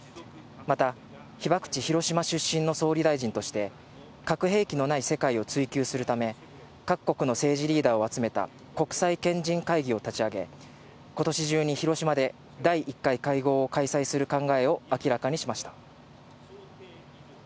また、被爆地、広島出身の総理大臣として核兵器のない世界を追求するため、各国の政治リーダーを集めた国際賢人会議を立ち上げ、ことし中に広島で第１回会合を開催する考えを明らかにしました。